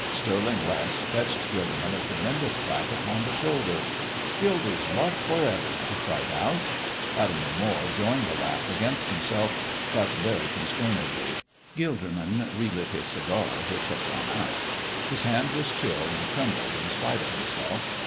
Stirling West fetched Gilderman a tremendous clap upon the shoulder. "Gildy's luck forever!" he cried out. Latimer Moire joined the laugh against himself, but very constrainedly. Gilderman relit his cigar, which had gone out. His hand was chill and trembled in spite of himself.